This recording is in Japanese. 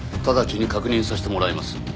直ちに確認させてもらいます。